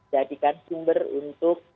jadikan sumber untuk